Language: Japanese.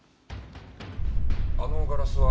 あのガラスは？